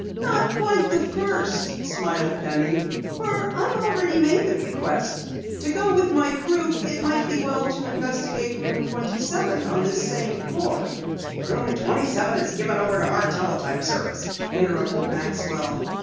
"Not quite the first," smiled Penny, "for I've already made the request. To go on with my proof, it might be well to investigate Room 27 on this same floor." "Room 27 is given over to our teletype service," interrupted Maxwell.